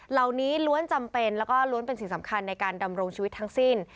ล้วนจำเป็นแล้วก็ล้วนเป็นสิ่งสำคัญในการดำรงชีวิตทั้งสิ้น